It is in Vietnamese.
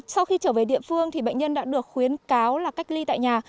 sau khi trở về địa phương bệnh nhân đã được khuyến cáo là cách ly tại nhà